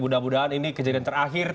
mudah mudahan ini kejadian terakhir